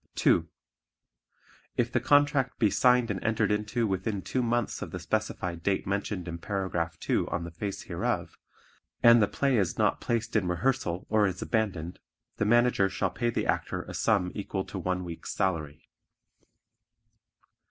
(2) If the contract be signed and entered into within two months of the specific date mentioned in Paragraph 2 on the face hereof and the play is not placed in rehearsal or is abandoned, the Manager shall pay the Actor a sum equal to one week's salary.